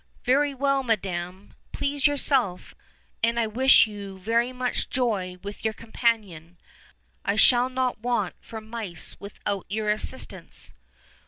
Very well, madam, please yourself, and I wish you much joy with your companion; I shall not want for mice without your assistance."